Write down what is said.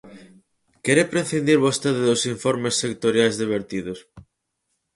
¿Quere prescindir vostede dos informes sectoriais de vertidos?